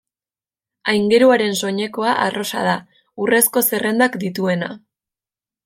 Aingeruaren soinekoa arrosa da, urrezko zerrendak dituena.